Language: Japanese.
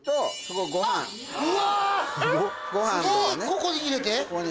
ここに入れて？